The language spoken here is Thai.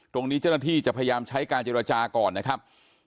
ตรงนี้เจ้าหน้าที่จะพยายามใช้การเจรจาก่อนนะครับ